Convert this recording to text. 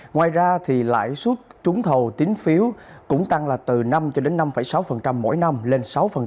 ngoài ra lãi suất trúng thầu tín phiếu cũng tăng từ năm năm sáu mỗi năm lên sáu